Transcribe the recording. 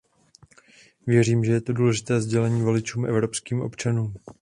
Věřím, že to je důležité sdělení voličům a evropským občanům.